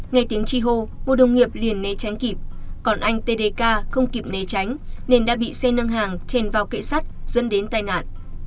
nghe tiếng chi hô một đồng nghiệp liền né tránh kịp còn anh tdk không kịp né tránh nên đã bị xe nâng hàng chèn vào kệ sắt dẫn đến tai nạn